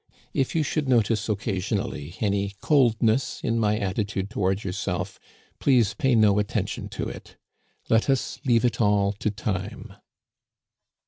If you should notice occasionally any coldness in my attitude toward yourself, please pay no attention to it. Let us leave it all to time."